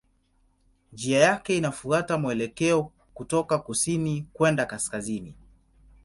Njia yake inafuata mwelekeo kutoka kusini kwenda kaskazini.